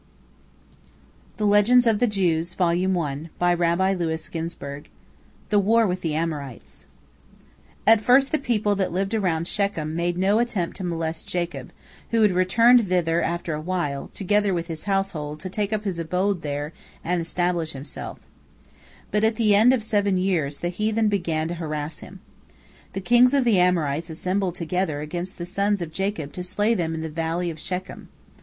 THE WAR WITH THE AMORITES At first the people that lived round about Shechem made no attempt to molest Jacob, who had returned thither after a while, together with his household, to take up his abode there and establish himself. But at the end of seven years the heathen began to harass him. The kings of the Amorites assembled together against the sons of Jacob to slay them in the Valley of Shechem.